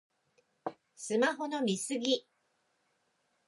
スマホの見過ぎ